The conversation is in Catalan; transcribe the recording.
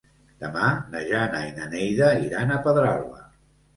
Demà na Jana i na Neida iran a Pedralba.